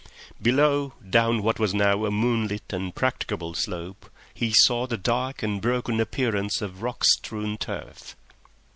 Below, down what was now a moon lit and practicable slope, he saw the dark and broken appearance of rock strewn turf.